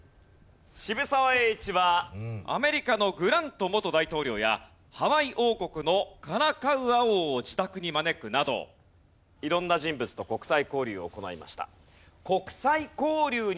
渋沢栄一はアメリカのグラント元大統領やハワイ王国のカラカウア王を自宅に招くなど色んな人物と国際交流を行いました。